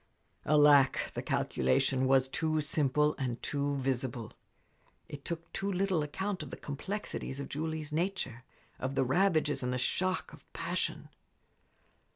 Alack! the calculation was too simple and too visible. It took too little account of the complexities of Julie's nature, of the ravages and the shock of passion.